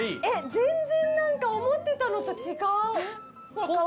えっ全然何か思ってたのと違う。